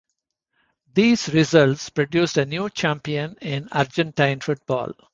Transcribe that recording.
These results produced a new champion in Argentine football.